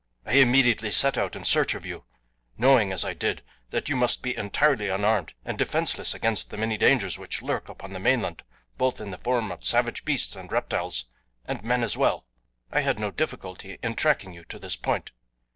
"I immediately set out in search of you, knowing as I did that you must be entirely unarmed and defenseless against the many dangers which lurk upon the mainland both in the form of savage beasts and reptiles, and men as well. I had no difficulty in tracking you to this point.